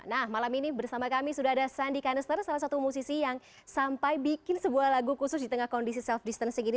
nah malam ini bersama kami sudah ada sandi kanester salah satu musisi yang sampai bikin sebuah lagu khusus di tengah kondisi self distancing ini